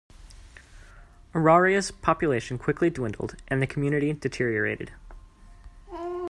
Auraria's population quickly dwindled, and the community deteriorated.